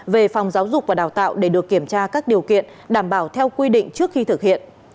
về phòng giáo dục và đào tạo để được kiểm tra các điều kiện đảm bảo theo quy định trước khi thực hiện